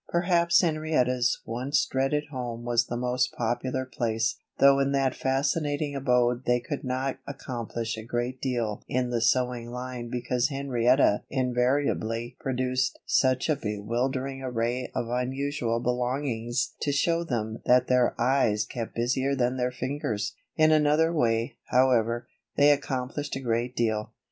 Perhaps Henrietta's once dreaded home was the most popular place, though in that fascinating abode they could not accomplish a great deal in the sewing line because Henrietta invariably produced such a bewildering array of unusual belongings to show them that their eyes kept busier than their fingers. In another way, however, they accomplished a great deal.